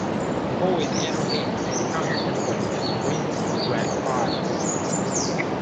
The boys enter him in the contest anyway and he wins the grand prize.